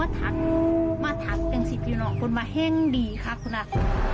สิ่งที่ไม่ออกเป็นที่เห็นดีค่ะคุณนัก